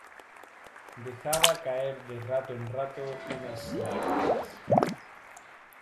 Dejaba caer de rato en rato unas lágrimas.